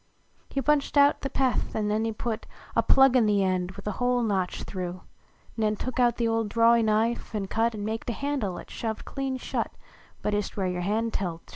He punched out the peth, an nen he put A plug in the end with a hole notched through ; Nen took the old drawey knife an cut An maked a handle at shoved clean shut But ist where ycr hand held to.